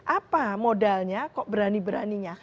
apa modalnya kok berani beraninya